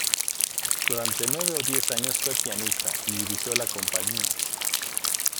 Durante nueve o diez años fue pianista y dirigió la compañía.